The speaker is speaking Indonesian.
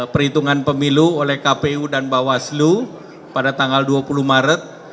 perhitungan pemilu oleh kpu dan bawaslu pada tanggal dua puluh maret